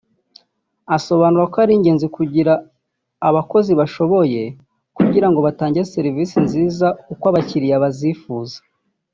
Anasobanura ko ari ingenzi kugira abakozi bashoboye kugira ngo batange serivisi nziza uko abakiriya bazifuza